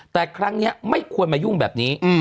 แต่ครั้งนี้ไม่ควรมายุ่งแบบนี้